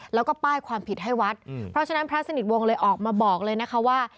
แล้วก็ป้ายความผิดให้วัดเพราะฉะนั้นพระสนิทวงศ์เลยออกมาบอกเลยนะคะว่า